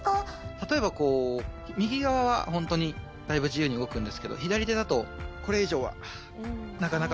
例えばこう右側はホントにだいぶ自由に動くんですけど左手だとこれ以上はなかなか上がらなかったり。